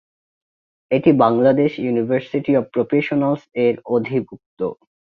এটি Bangladesh university of প্রফেশনালস-এর অধিভূক্ত।